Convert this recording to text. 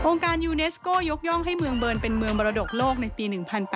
การยูเนสโก้ยกย่องให้เมืองเบิร์นเป็นเมืองมรดกโลกในปี๑๘